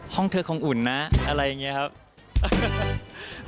ห้องเธอคงอุ่นนะอะไรอย่างนี้ครับ